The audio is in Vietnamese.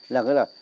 là cái là